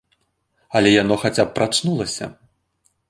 Але яно хаця б прачнулася.